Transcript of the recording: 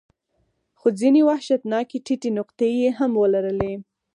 خو ځینې وحشتناکې ټیټې نقطې یې هم ولرلې.